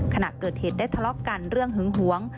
ขณะเกิดเหตุได้ทะเลาะกันเรื่องหึงหวง